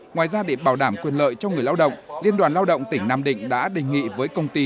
ngoài ra để bảo đảm quyền lợi cho người lao động liên đoàn lao động tỉnh nam định đã đề nghị với công ty